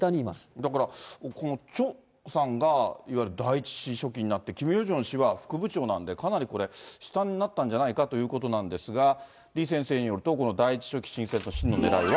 だからこのチョさんがいわゆる第１書記になって、キム・ヨジョン氏は副部長なんで、かなりこれ、下になったんじゃないかということなんですが、李先生によると、この第１書記新設の真の狙いは。